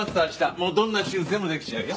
もうどんな手術でもできちゃうよ。